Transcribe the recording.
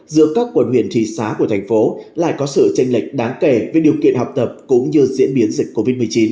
giữa các quận huyện thị xá của thành phố lại có sự tranh lệch đáng kể về điều kiện học tập cũng như diễn biến dịch covid một mươi chín